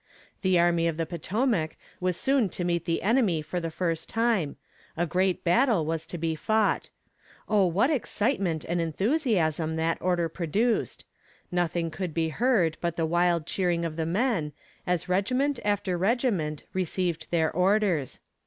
The Army of the Potomac was soon to meet the enemy for the first time a great battle was to be fought. Oh, what excitement and enthusiasm that order produced nothing could be heard but the wild cheering of the men, as regiment after regiment received their orders.